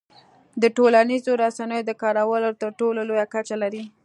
د ټولنیزو رسنیو د کارولو تر ټولو لوړه کچه لري.